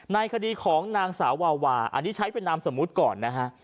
ในคดีของนางสาววาวาอันนี้ใช้เป็นนามสมมุติก่อนนะฮะ